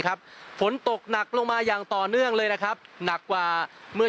ฝนตกหนักลงมาอย่างต่อเนื่องเลยนะครับหนักกว่าเมื่อ